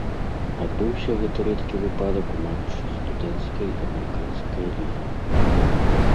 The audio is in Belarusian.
Адбыўся гэты рэдкі выпадак у матчы студэнцкай амерыканскай лігі.